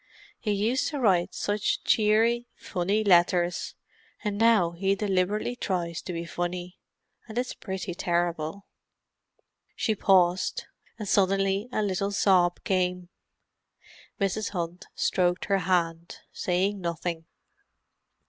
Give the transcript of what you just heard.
He used to write such cheery, funny letters, and now he deliberately tries to be funny—and it's pretty terrible." She paused, and suddenly a little sob came. Mrs. Hunt stroked her hand, saying nothing.